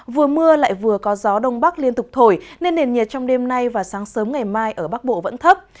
vừa mưa lại vừa có gió đông bắc liên tục thổi nên nền nhiệt trong đêm nay và sáng sớm ngày mai ở bắc bộ vẫn thấp